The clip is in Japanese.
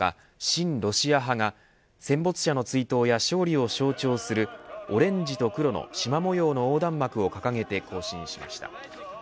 親ロシア派が戦没者の追悼や勝利を象徴するオレンジと黒のしま模様の横断幕を掲げて行進しました。